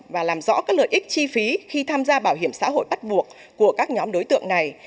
và làm rõ các lợi ích chi phí khi tham gia bảo hiểm xã hội bắt buộc của các nhóm đối tượng này